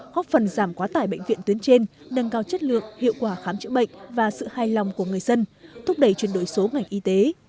góp phần giảm quá tải bệnh viện tuyến trên nâng cao chất lượng hiệu quả khám chữa bệnh và sự hài lòng của người dân thúc đẩy chuyển đổi số ngành y tế